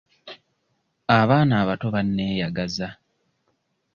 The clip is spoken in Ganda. Abaana abato banneeyagaza.